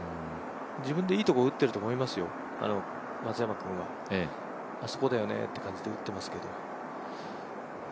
自分でいいところ打ってると思いますよ、松山君は。あそこだよねって感じで打ってますけど。